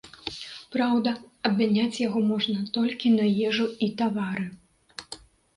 Праўда, абмяняць яго можна толькі на ежу і тавары.